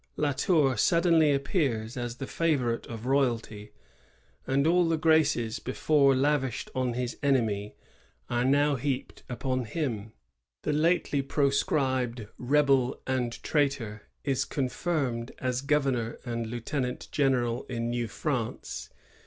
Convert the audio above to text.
La Tour suddenly appears as the favorite of royalty, and all the graces before lavished on his enemy are now heaped upon him. The lately proscribed *^ rebel and traitor" is confirmed as gover nor and lieutenant general in New France.